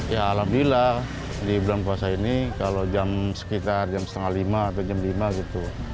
ya alhamdulillah di bulan puasa ini kalau jam sekitar jam setengah lima atau jam lima gitu